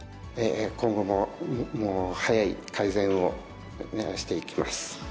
今後も早い改善を目指していきます。